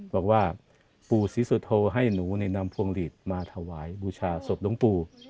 บอกว่าปู่ศิษฐโธให้หนูนำพวงฤทธิ์มาถวายบูชาศพลงปู่